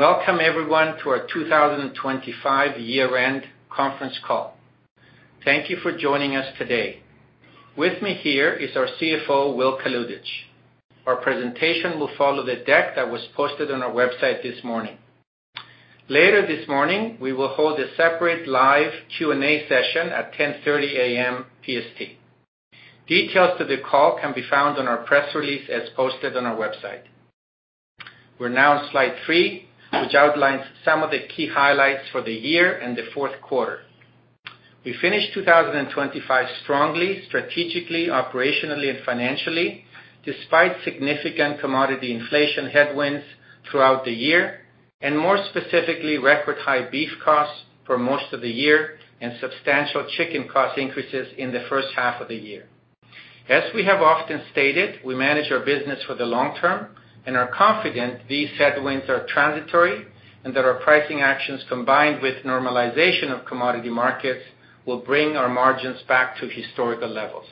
Welcome everyone to our 2025 year-end conference call. Thank you for joining us today. With me here is our CFO, Will Kalutycz. Our presentation will follow the deck that was posted on our website this morning. Later this morning, we will hold a separate live Q&A session at 10:30 A.M. PST. Details to the call can be found on our press release as posted on our website. We're now on slide three, which outlines some of the key highlights for the year and the fourth quarter. We finished 2025 strongly, strategically, operationally, and financially despite significant commodity inflation headwinds throughout the year, and more specifically, record high beef costs for most of the year and substantial chicken cost increases in the first half of the year. As we have often stated, we manage our business for the long term and are confident these headwinds are transitory and that our pricing actions combined with normalization of commodity markets will bring our margins back to historical levels.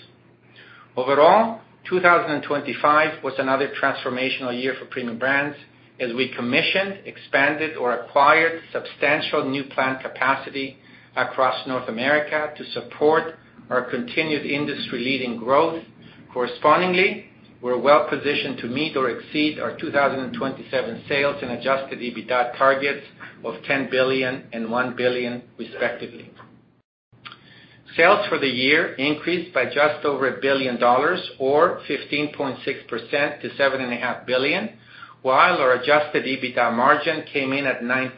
Overall, 2025 was another transformational year for Premium Brands as we commissioned, expanded, or acquired substantial new plant capacity across North America to support our continued industry-leading growth. Correspondingly, we're well-positioned to meet or exceed our 2027 sales and adjusted EBITDA targets of 10 billion and 1 billion, respectively. Sales for the year increased by just over 1 billion dollars or 15.6% to 7.5 billion, while our adjusted EBITDA margin came in at 9%,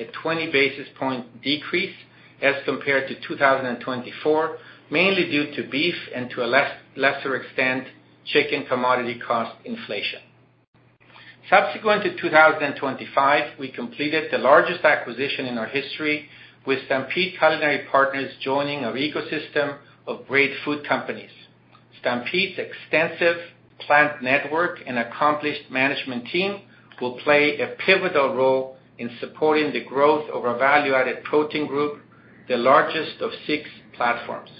a 20 basis points decrease as compared to 2024, mainly due to beef and, to a lesser extent, chicken commodity cost inflation. Subsequent to 2025, we completed the largest acquisition in our history with Stampede Culinary Partners joining our ecosystem of great food companies. Stampede's extensive plant network and accomplished management team will play a pivotal role in supporting the growth of our value-added protein group, the largest of six platforms.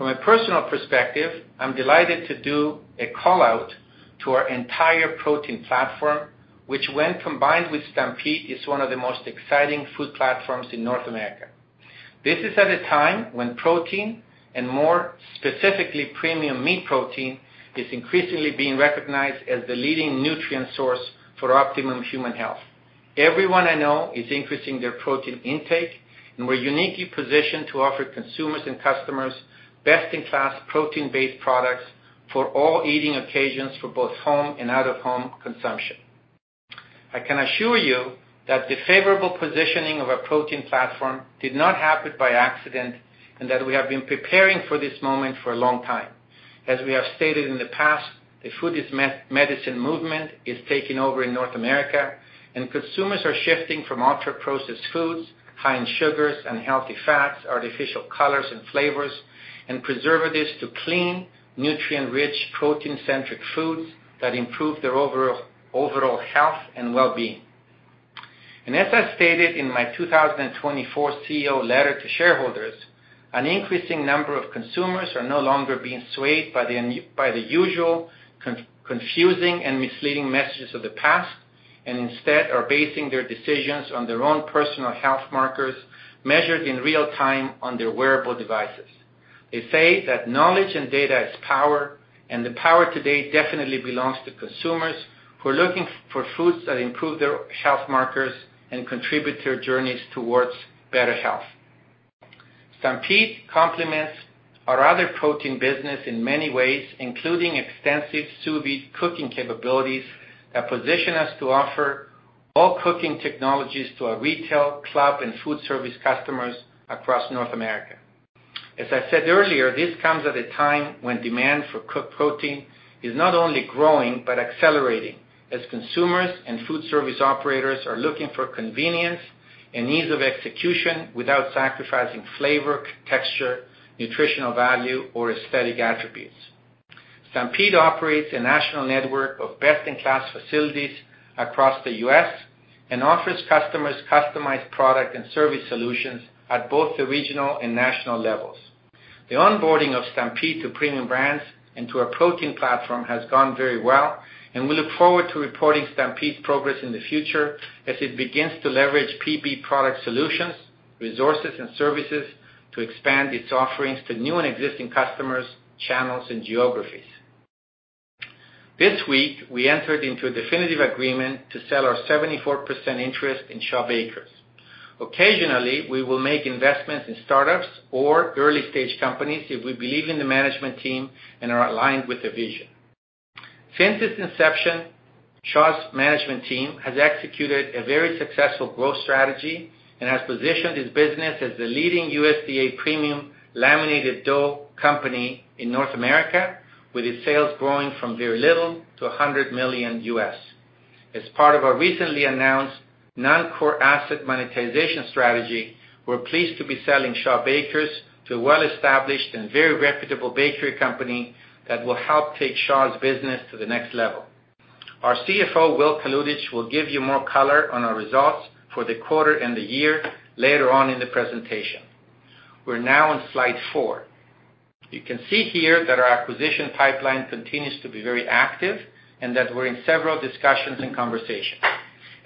From a personal perspective, I'm delighted to do a call-out to our entire protein platform, which when combined with Stampede, is one of the most exciting food platforms in North America. This is at a time when protein, and more specifically premium meat protein, is increasingly being recognized as the leading nutrient source for optimum human health. Everyone I know is increasing their protein intake, and we're uniquely positioned to offer consumers and customers best-in-class protein-based products for all eating occasions for both home and out-of-home consumption. I can assure you that the favorable positioning of our protein platform did not happen by accident, and that we have been preparing for this moment for a long time. As we have stated in the past, the food is medicine movement is taking over in North America, and consumers are shifting from ultra-processed foods, high in sugars, unhealthy fats, artificial colors and flavors, and preservatives to clean, nutrient-rich, protein-centric foods that improve their overall health and wellbeing. As I stated in my 2024 CEO letter to shareholders, an increasing number of consumers are no longer being swayed by the usual confusing and misleading messages of the past, and instead are basing their decisions on their own personal health markers measured in real time on their wearable devices. They say that knowledge and data is power, and the power today definitely belongs to consumers who are looking for foods that improve their health markers and contribute to their journeys towards better health. Stampede complements our other protein business in many ways, including extensive sous vide cooking capabilities that position us to offer all cooking technologies to our retail, club, and food service customers across North America. As I said earlier, this comes at a time when demand for cooked protein is not only growing but accelerating as consumers and food service operators are looking for convenience and ease of execution without sacrificing flavor, texture, nutritional value, or aesthetic attributes. Stampede operates a national network of best-in-class facilities across the U.S. and offers customers customized product and service solutions at both the regional and national levels. The onboarding of Stampede to Premium Brands into our protein platform has gone very well, and we look forward to reporting Stampede's progress in the future as it begins to leverage PB product solutions, resources, and services to expand its offerings to new and existing customers, channels, and geographies. This week, we entered into a definitive agreement to sell our 74% interest in Shaw Bakers. Occasionally, we will make investments in startups or early-stage companies if we believe in the management team and are aligned with the vision. Since its inception, Shaw Bakers management team has executed a very successful growth strategy and has positioned its business as the leading USDA premium laminated dough company in North America, with its sales growing from very little to $100 million. As part of our recently announced non-core asset monetization strategy, we're pleased to be selling Shaw Bakers to a well-established and very reputable bakery company that will help take Shaw Bakers business to the next level. Our CFO, Will Kalutycz, will give you more color on our results for the quarter and the year later on in the presentation. We're now on slide four. You can see here that our acquisition pipeline continues to be very active and that we're in several discussions and conversations.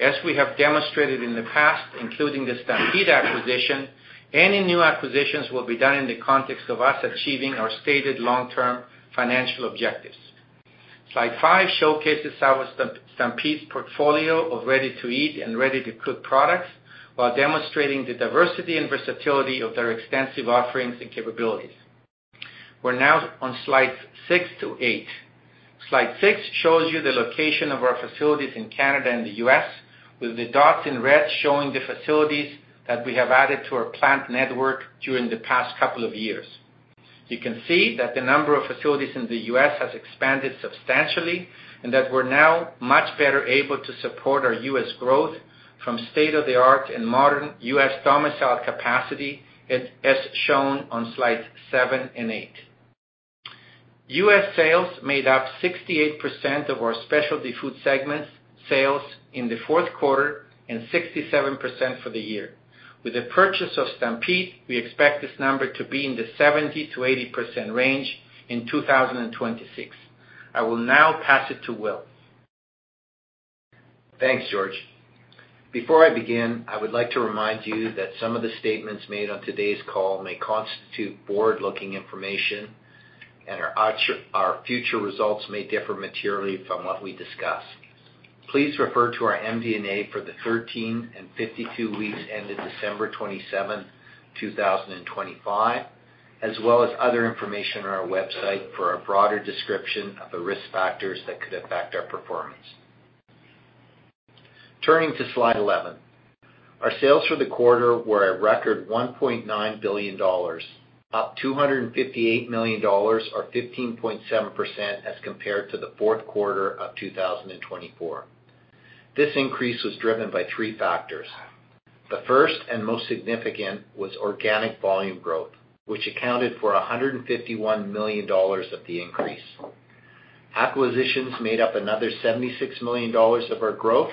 As we have demonstrated in the past, including the Stampede acquisition, any new acquisitions will be done in the context of us achieving our stated long-term financial objectives. Slide five showcases our Stampede's portfolio of ready-to-eat and ready-to-cook products while demonstrating the diversity and versatility of their extensive offerings and capabilities. We're now on slides six to eight. Slide six shows you the location of our facilities in Canada and the U.S., with the dots in red showing the facilities that we have added to our plant network during the past couple of years. You can see that the number of facilities in the U.S. has expanded substantially and that we're now much better able to support our U.S. growth from state-of-the-art and modern U.S. domiciled capacity, as shown on slides seven and eight. U.S. sales made up 68% of our specialty food segments sales in the fourth quarter, and 67% for the year. With the purchase of Stampede, we expect this number to be in the 70%-80% range in 2026. I will now pass it to Will. Thanks, George. Before I begin, I would like to remind you that some of the statements made on today's call may constitute forward-looking information, and our future results may differ materially from what we discuss. Please refer to our MD&A for the 13 and 52 weeks ended December 27, 2025, as well as other information on our website for a broader description of the risk factors that could affect our performance. Turning to slide 11. Our sales for the quarter were a record 1.9 billion dollars, up 258 million dollars or 15.7% as compared to the fourth quarter of 2024. This increase was driven by three factors. The first and most significant was organic volume growth, which accounted for 151 million dollars of the increase. Acquisitions made up another 76 million dollars of our growth,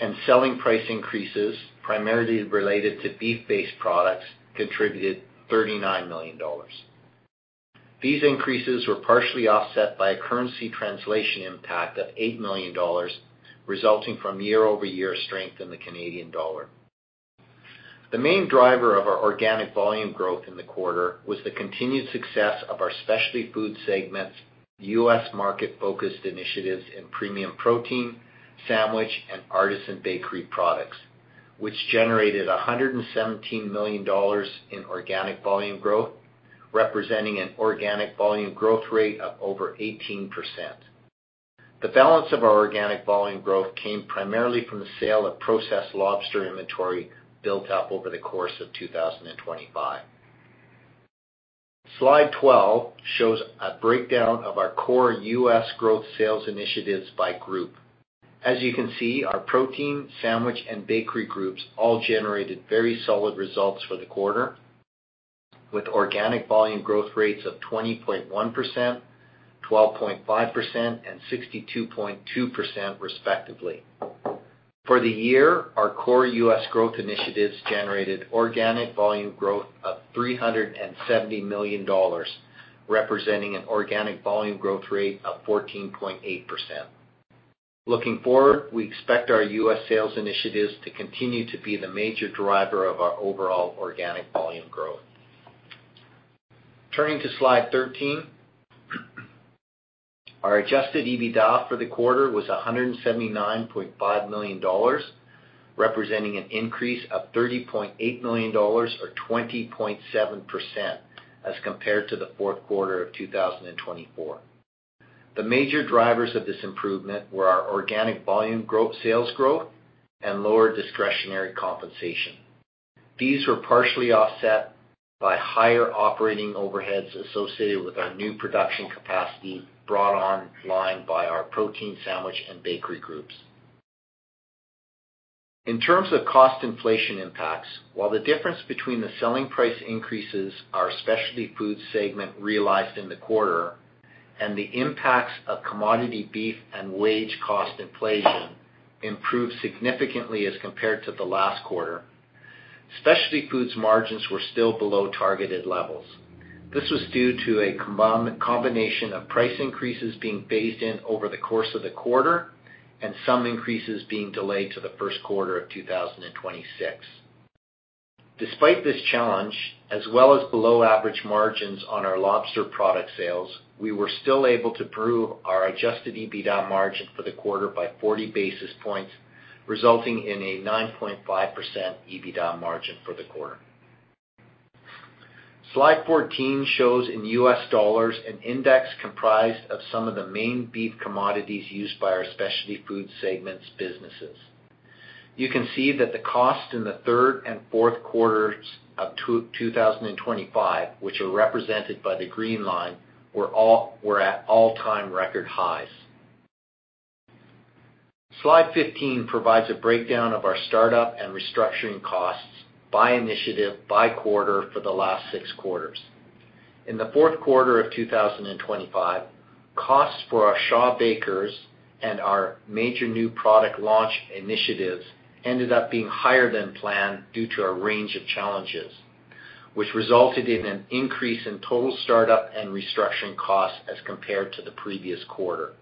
and selling price increases, primarily related to beef-based products, contributed 39 million dollars. These increases were partially offset by a currency translation impact of 8 million dollars resulting from year-over-year strength in the Canadian dollar. The main driver of our organic volume growth in the quarter was the continued success of our specialty food segments, U.S. market-focused initiatives in premium protein, sandwich, and artisan bakery products, which generated 117 million dollars in organic volume growth, representing an organic volume growth rate of over 18%. The balance of our organic volume growth came primarily from the sale of processed lobster inventory built up over the course of 2025. Slide 12 shows a breakdown of our core U.S. growth sales initiatives by group. As you can see, our protein, sandwich, and bakery groups all generated very solid results for the quarter with organic volume growth rates of 20.1%, 12.5%, and 62.2%, respectively. For the year, our core U.S. growth initiatives generated organic volume growth of 370 million dollars, representing an organic volume growth rate of 14.8%. Looking forward, we expect our U.S. sales initiatives to continue to be the major driver of our overall organic volume growth. Turning to slide 13. Our adjusted EBITDA for the quarter was 179.5 million dollars, representing an increase of 30.8 million dollars or 20.7% as compared to the fourth quarter of 2024. The major drivers of this improvement were our organic volume growth, sales growth, and lower discretionary compensation. These were partially offset by higher operating overheads associated with our new production capacity brought online by our protein, sandwich, and bakery groups. In terms of cost inflation impacts, while the difference between the selling price increases our specialty food segment realized in the quarter and the impacts of commodity beef and wage cost inflation improved significantly as compared to the last quarter, specialty foods margins were still below targeted levels. This was due to a combination of price increases being phased in over the course of the quarter and some increases being delayed to the first quarter of 2026. Despite this challenge, as well as below-average margins on our lobster product sales, we were still able to improve our adjusted EBITDA margin for the quarter by 40 basis points, resulting in a 9.5% EBITDA margin for the quarter. Slide 14 shows in U.S. dollars an index comprised of some of the main beef commodities used by our specialty food segments businesses. You can see that the cost in the third and fourth quarters of 2025, which are represented by the green line, were at all-time record highs. Slide 15 provides a breakdown of our startup and restructuring costs by initiative, by quarter for the last six quarters. In the fourth quarter of 2025 costs for our Shaw Bakers and our major new product launch initiatives ended up being higher than planned due to a range of challenges, which resulted in an increase in total startup and restructuring costs as compared to the previous quarter.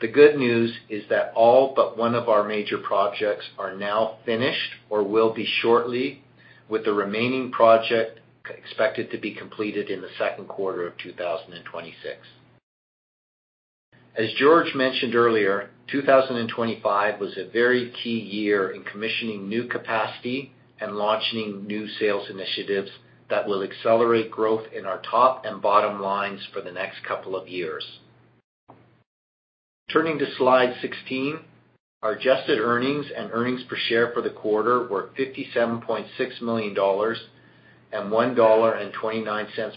The good news is that all but one of our major projects are now finished or will be shortly, with the remaining project expected to be completed in the second quarter of 2026. As George mentioned earlier, 2025 was a very key year in commissioning new capacity and launching new sales initiatives that will accelerate growth in our top and bottom lines for the next couple of years. Turning to Slide 16, our adjusted earnings and earnings per share for the quarter were 57.6 million dollars and 1.29 dollar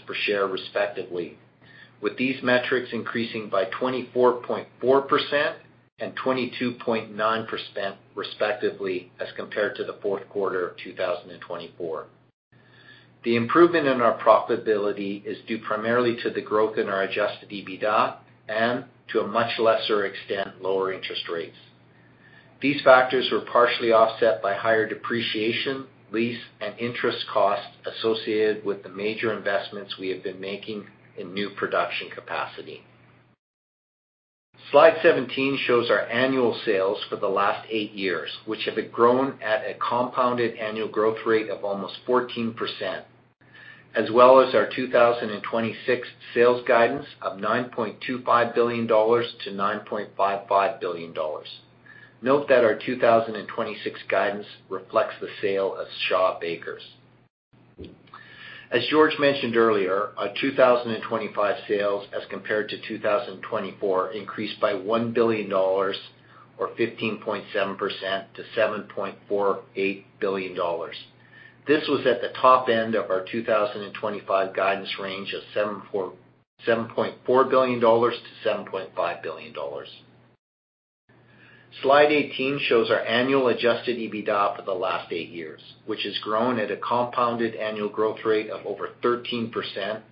per share, respectively, with these metrics increasing by 24.4% and 22.9%, respectively, as compared to the fourth quarter of 2024. The improvement in our profitability is due primarily to the growth in our adjusted EBITDA and to a much lesser extent, lower interest rates. These factors were partially offset by higher depreciation, lease, and interest costs associated with the major investments we have been making in new production capacity. Slide 17 shows our annual sales for the last eight years, which have grown at a compounded annual growth rate of almost 14%, as well as our 2026 sales guidance of 9.25 billion-9.55 billion dollars. Note that our 2026 guidance reflects the sale of Shaw Bakers. As George mentioned earlier, our 2025 sales as compared to 2024 increased by 1 billion dollars or 15.7% to 7.48 billion dollars. This was at the top end of our 2025 guidance range of 7.4 billion-7.5 billion dollars. Slide 18 shows our annual adjusted EBITDA for the last eight years, which has grown at a compounded annual growth rate of over 13%,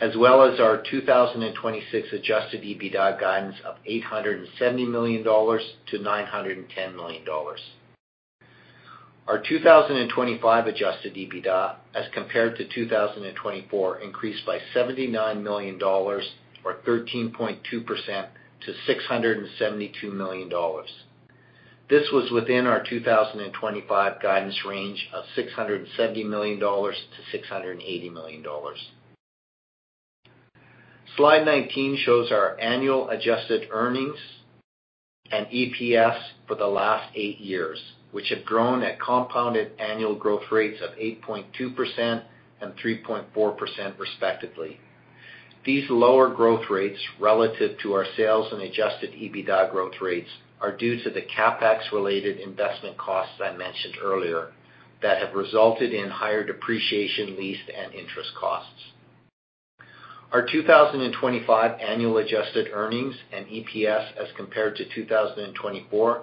as well as our 2026 adjusted EBITDA guidance of 870 million-910 million dollars. Our 2025 adjusted EBITDA as compared to 2024 increased by 79 million dollars or 13.2% to 672 million dollars. This was within our 2025 guidance range of 670 million-680 million dollars. Slide 19 shows our annual adjusted earnings and EPS for the last eight years, which have grown at compounded annual growth rates of 8.2% and 3.4%, respectively. These lower growth rates relative to our sales and adjusted EBITDA growth rates are due to the CapEx-related investment costs I mentioned earlier that have resulted in higher depreciation, lease, and interest costs. Our 2025 annual adjusted earnings and EPS as compared to 2024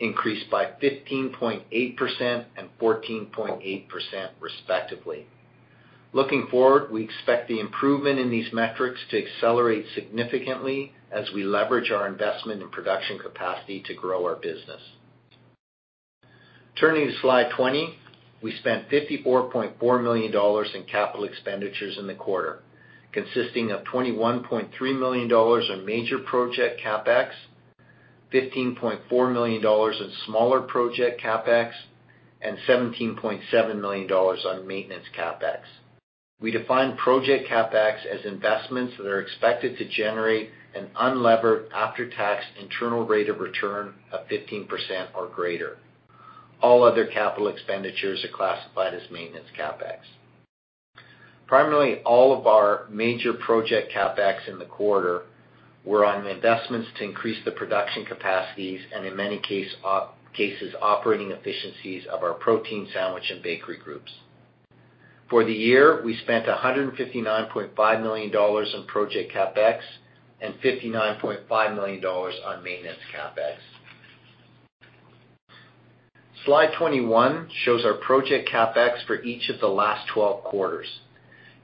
increased by 15.8% and 14.8%, respectively. Looking forward, we expect the improvement in these metrics to accelerate significantly as we leverage our investment in production capacity to grow our business. Turning to Slide 20, we spent 54.4 million dollars in capital expenditures in the quarter, consisting of 21.3 million dollars in major project CapEx, 15.4 million dollars in smaller project CapEx, and 17.7 million dollars on maintenance CapEx. We define project CapEx as investments that are expected to generate an unlevered after-tax internal rate of return of 15% or greater. All other capital expenditures are classified as maintenance CapEx. Primarily, all of our major project CapEx in the quarter were on investments to increase the production capacities and in many cases, operating efficiencies of our protein, sandwich, and bakery groups. For the year, we spent 159.5 million dollars on project CapEx and 59.5 million dollars on maintenance CapEx. Slide 21 shows our project CapEx for each of the last 12 quarters.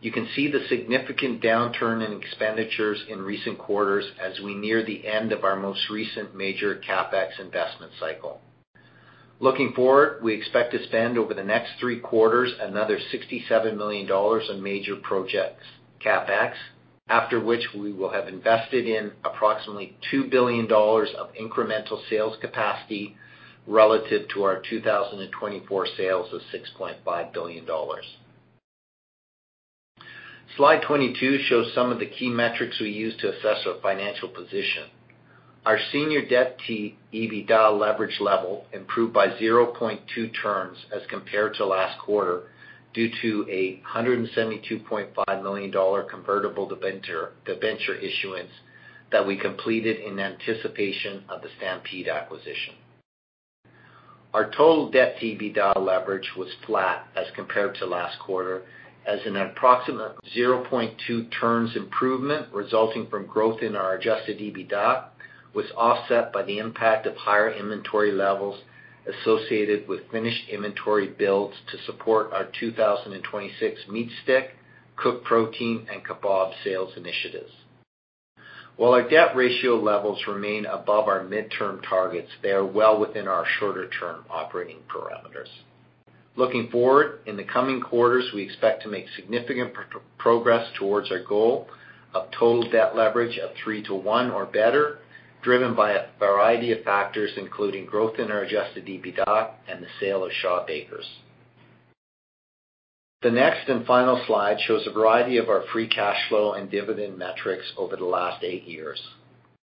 You can see the significant downturn in expenditures in recent quarters as we near the end of our most recent major CapEx investment cycle. Looking forward, we expect to spend over the next three quarters another 67 million dollars on major projects CapEx. After which, we will have invested in approximately 2 billion dollars of incremental sales capacity relative to our 2024 sales of 6.5 billion dollars. Slide 22 shows some of the key metrics we use to assess our financial position. Our senior debt-to-EBITDA leverage level improved by 0.2 turns as compared to last quarter due to a 172.5 million dollar convertible debenture issuance that we completed in anticipation of the Stampede acquisition. Our total debt-to-EBITDA leverage was flat as compared to last quarter as an approximate 0.2 turns improvement resulting from growth in our adjusted EBITDA was offset by the impact of higher inventory levels associated with finished inventory builds to support our 2026 meat stick, cooked protein, and kebab sales initiatives. While our debt ratio levels remain above our midterm targets, they are well within our shorter-term operating parameters. Looking forward, in the coming quarters, we expect to make significant progress towards our goal of total debt leverage of three to one or better, driven by a variety of factors, including growth in our adjusted EBITDA and the sale of Shaw Bakers. The next and final slide shows a variety of our free cash flow and dividend metrics over the last eight years.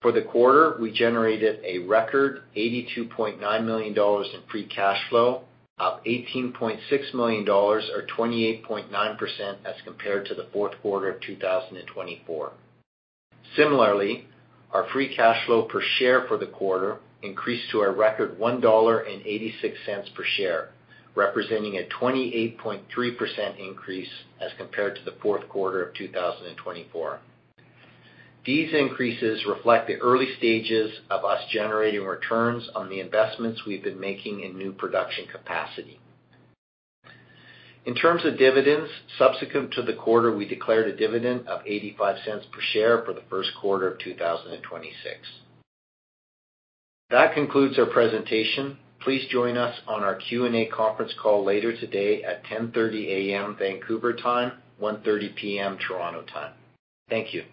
For the quarter, we generated a record 82.9 million dollars in free cash flow, up 18.6 million dollars or 28.9% as compared to the fourth quarter of 2024. Similarly, our free cash flow per share for the quarter increased to a record 1.86 dollar per share, representing a 28.3% increase as compared to the fourth quarter of 2024. These increases reflect the early stages of us generating returns on the investments we've been making in new production capacity. In terms of dividends, subsequent to the quarter, we declared a dividend of 0.85 per share for the first quarter of 2026. That concludes our presentation. Please join us on our Q&A conference call later today at 10:30 A.M. Vancouver time, 1:30 P.M. Toronto time. Thank you.